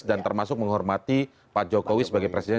dan termasuk menghormati pak jokowi sebagai presiden